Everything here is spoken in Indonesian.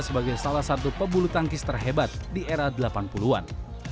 sebagai salah satu pebulu tangkis terhebat di era delapan puluh an